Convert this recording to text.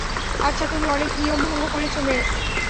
আচ্ছা, তুমি অনেক নিয়ম ভঙ্গ করেছ, মেস।